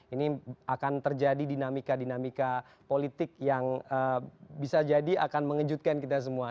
ini akan terjadi dinamika dinamika politik yang bisa jadi akan mengejutkan kita semua